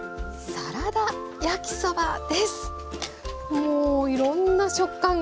もういろんな食感がありそう。